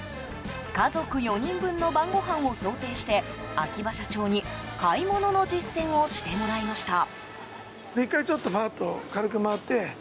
家族４人分の晩ごはんを想定して秋葉社長に、買い物の実践をしてもらいました。